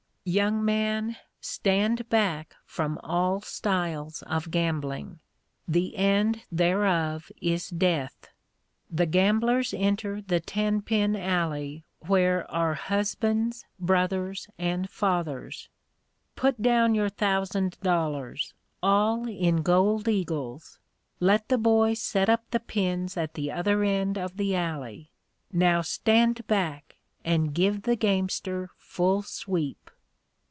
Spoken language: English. Young man! stand back from all styles of gambling! The end thereof is death. The gamblers enter the ten pin alley where are husbands, brothers, and fathers. "Put down your thousand dollars all in gold eagles! Let the boy set up the pins at the other end of the alley! Now stand back, and give the gamester full sweep!